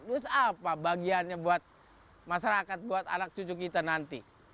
terus apa bagiannya buat masyarakat buat anak cucu kita nanti